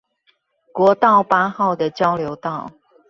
國道八號的交流道